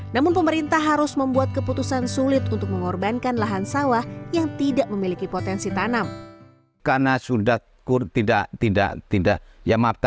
namun pemerintah harus membuat keputusan sulit untuk mengorbankan lahan sawah yang tidak memiliki potensi tanam